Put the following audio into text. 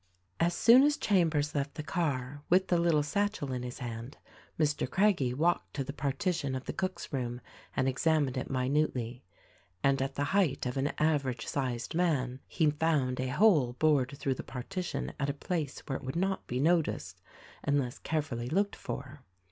As soon as Chambers left the car (with the little satchel in his hand) Mr. Craggie walked to the partition of the cook's room and examined it minutely ; and at the height of an average sized man he found a hole bored through the partition at a place where it would not be noticed unless carefully looked for.